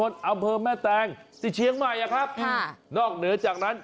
นอกเหนือจากนั้น